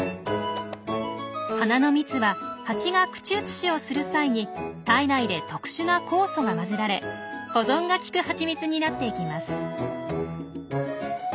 花の蜜はハチが口移しをする際に体内で特殊な酵素が混ぜられ保存が利くハチミツになっていきます。